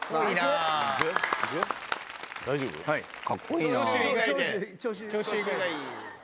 はい。